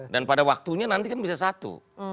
dan pada waktunya nanti kan bisa satu